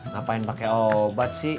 ngapain pake obat sih